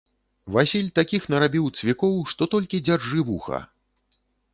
Васіль такіх нарабіў цвікоў, што толькі дзяржы вуха.